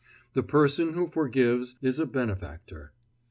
The person who forgives is a benefactor.